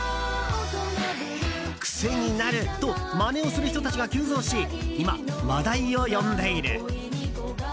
癖になるとまねする人たちが急増し今、話題を呼んでいる。